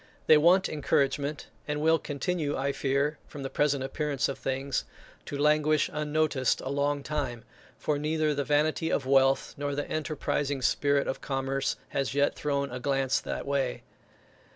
They want encouragement, and will continue, I fear, from the present appearance of things, to languish unnoticed a long time; for neither the vanity of wealth, nor the enterprising spirit of commerce, has yet thrown a glance that way.